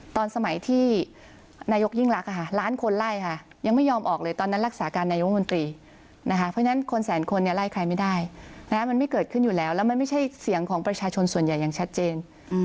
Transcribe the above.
ตอนสมัยที่นายกยิ่งรักล้านคนไล่ค่ะยังไม่ยอมออกเลยตอนนั้นรักษาการนายกมนตรีนะคะเพราะฉะนั้นคนแสนคนเนี่ยไล่ใครไม่ได้มันไม่เกิดขึ้นอยู่แล้วแล้วมันไม่ใช่เสียงของประชาชนส่วนใหญ่อย่างชัดเจน